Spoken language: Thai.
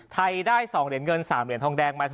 ไทยได้๒เหรียญเงิน๓เหรียญทองแดงมา